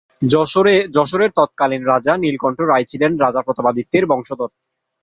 যশোরের তৎকালীন রাজা নীলকণ্ঠ রায় ছিলেন রাজা প্রতাপাদিত্যের বংশধর।